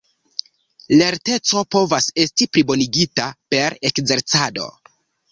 Lerteco povas esti plibonigita per ekzercado.